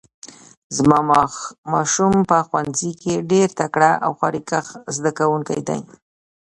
زما ماشوم په ښوونځي کې ډیر تکړه او خواریکښ زده کوونکی ده